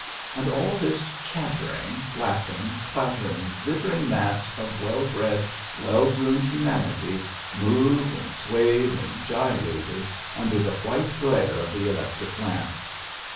And all this chattering, laughing, clattering, glittering mass of well bred, well groomed humanity moved, and swayed, and gyrated under the white glare of the electric lamps.